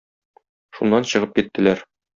Шуннан чыгып киттеләр.